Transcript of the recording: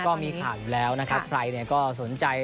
ก็มีข่าวอยู่แล้วนะครับใครก็สนใจ